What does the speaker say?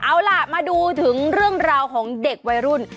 เอาล่ะมาดูถึงเรื่องราวของเด็กวัยรุ่น